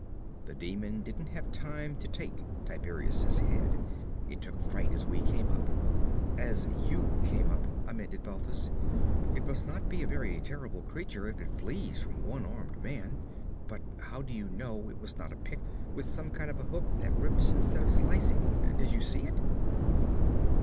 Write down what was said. The demon didn't have time to take Tiberias' head; it took fright as we came up.' 'As you came up,' amended Balthus. 'It must not be a very terrible creature if it flees from one armed man. But how do you know it was not a Pict with some kind of a hook that rips instead of slicing? Did you see it?'